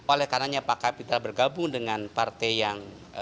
oleh karena pak kapitra bergabung dengan partai yang